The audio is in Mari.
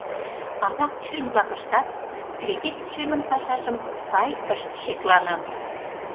Адак член-влакыштат кредит ушемын пашажым сай ышт шеклане.